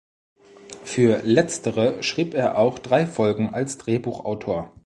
Für Letztere schrieb er auch drei Folgen als Drehbuchautor.